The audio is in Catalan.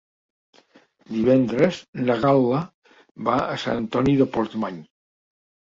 Divendres na Gal·la va a Sant Antoni de Portmany.